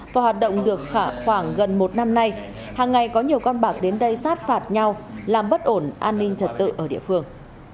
và hoạt động được khoảng gần một năm nay hàng ngày có nhiều con bạc đến đây sát phạt nhau làm bất ổn an ninh trật tự ở địa phương